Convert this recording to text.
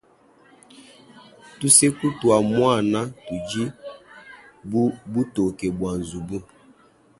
Tuseku tua muana tudi bu butoke bua nzubu.